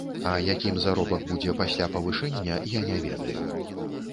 А якім заробак будзе пасля павышэння, я не ведаю.